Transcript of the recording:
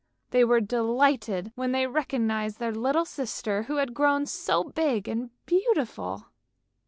They were delighted when they recognised their little sister who had grown so big and beautiful.